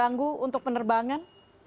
apa yang mengganggu untuk penerbangan